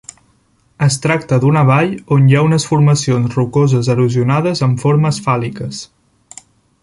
Es tracta d'una vall on hi ha unes formacions rocoses erosionades amb formes fàl·liques.